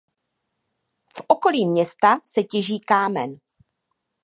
V okolí města se těží kámen.